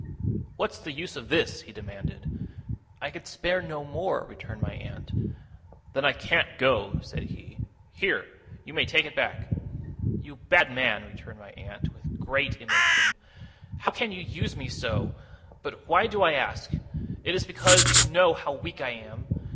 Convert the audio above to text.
'What's the use of this?' he demanded. 'I can spare no more,' returned my aunt. 'Then I can't go,' said he. 'Here! You may take it back!' 'You bad man,' returned my aunt, with great emotion; 'how can you use me so? But why do I ask? It is because you know how weak I am!